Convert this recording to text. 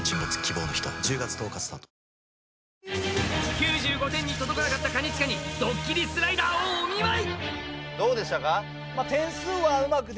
９５点に届かなかった兼近にドッキリスライダーをお見舞い！